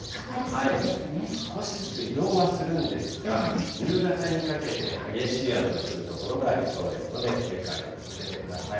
少しずつ移動はするんですが、夕方にかけて激しい雨の降る所がありそうですので警戒を続けてください。